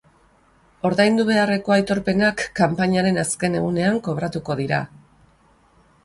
Ordaindu beharreko aitorpenak kanpainaren azken egunean kobratuko dira.